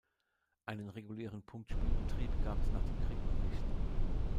Einen regulären Punktspielbetrieb gab es nach dem Krieg noch nicht.